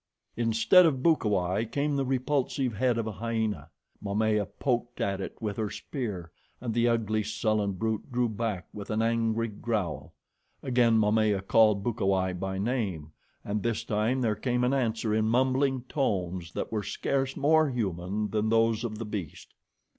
Instead of Bukawai came the repulsive head of a hyena. Momaya poked at it with her spear, and the ugly, sullen brute drew back with an angry growl. Again Momaya called Bukawai by name, and this time there came an answer in mumbling tones that were scarce more human than those of the beast.